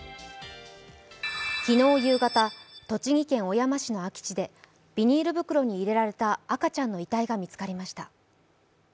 昨日夕方、栃木県小山市の空き地でビニール袋に入れられた赤ちゃんの遺体が見つかりました。